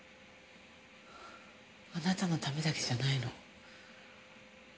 あなたのためだけじゃないの。